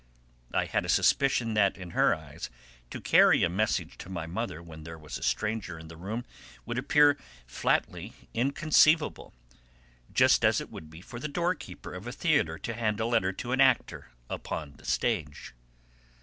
I had a suspicion that, in her eyes, to carry a message to my mother when there was a stranger in the room would appear flatly inconceivable, just as it would be for the door keeper of a theatre to hand a letter to an actor upon the stage.